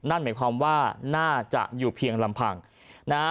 นั่นหมายความว่าน่าจะอยู่เพียงลำพังนะฮะ